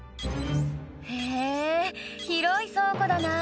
へぇ広い倉庫だな